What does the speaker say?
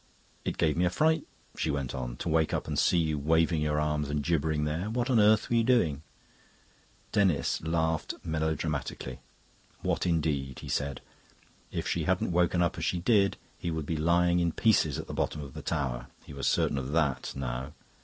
"It gave me a fright," she went on, "to wake up and see you waving your arms and gibbering there. What on earth were you doing?" Denis laughed melodramatically. "What, indeed!" he said. If she hadn't woken up as she did, he would be lying in pieces at the bottom of the tower; he was certain of that, now.